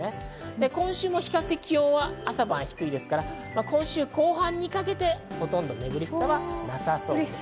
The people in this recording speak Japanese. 今週も比較的、朝晩低いですから、今週後半にかけてほとんど寝苦しさはなさそうです。